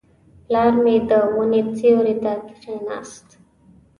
پلار مې د ونې سیوري ته کښېناست.